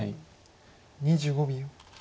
２５秒。